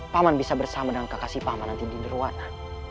paman bisa bersama dengan kekasih paman nanti di derwana